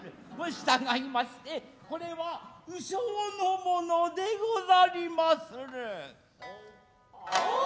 従いましてこれは鵜匠のものでござりまする。